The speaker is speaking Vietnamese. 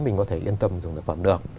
mình có thể yên tâm dùng thực phẩm được